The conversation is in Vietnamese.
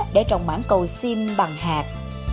để trồng mãn cầu sim bằng hạt